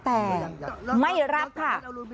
แต่ไม่รับค่ะ